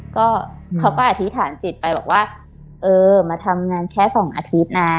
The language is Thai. ก็เขาก็อธิษฐานจิตไปบอกว่าเออมาทำงานแค่สองอาทิตย์นะ